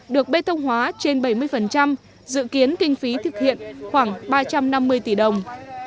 được bê tông hóa trên bảy mươi dự kiến kinh phí thực hiện khoảng ba trăm năm mươi tỷ đồng